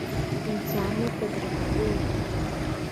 انسانیت ته درناوی وکړئ